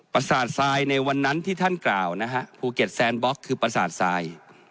ประสาททรายในวันนั้นที่ท่านกล่าวนะฮะภูเก็ตแซนบล็อกคือประสาททราย